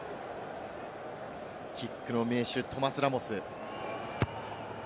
キックの名手トマ・ラモス。